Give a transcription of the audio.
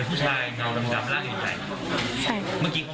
นอกจากนี้มีอะไรอีกไหมคะ